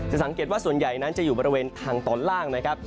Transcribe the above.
สังเกตว่าส่วนใหญ่นั้นจะอยู่บริเวณทางตอนล่างนะครับ